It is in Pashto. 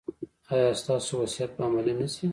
ایا ستاسو وصیت به عملي نه شي؟